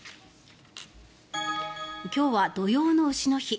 今日は土用の丑の日。